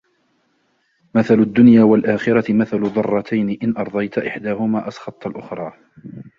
مَثَلُ الدُّنْيَا وَالْآخِرَةِ مَثَلُ ضَرَّتَيْنِ إنْ أَرْضَيْت إحْدَاهُمَا أَسْخَطْت الْأُخْرَى